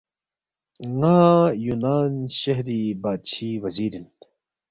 ن٘ا یُونان شہری بادشی وزیر اِن